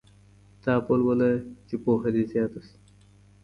کتاب ولوله چي پوهه دې زیاته سي.